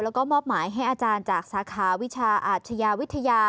แล้วก็มอบหมายให้อาจารย์จากสาขาวิชาอาชญาวิทยา